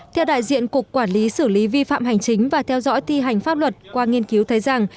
theo đại diện cục quản lý xử lý vi phạm hành chính và theo dõi thi hành pháp luật qua nghiên cứu thấy rằng